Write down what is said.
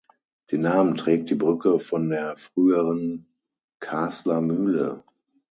Den Namen trägt die Brücke von der früheren Kastler Mühle.